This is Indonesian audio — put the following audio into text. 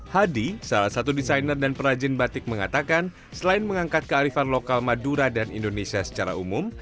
hadi salah satu desainer dan perajin batik mengatakan selain mengangkat kearifan lokal madura dan indonesia secara umum